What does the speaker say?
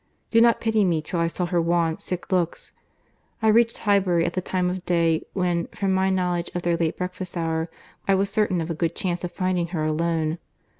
Do not pity me till I saw her wan, sick looks.—I reached Highbury at the time of day when, from my knowledge of their late breakfast hour, I was certain of a good chance of finding her alone.